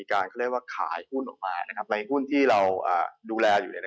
การขายหุ้นออกมาในหุ้นที่เราดูแลอยู่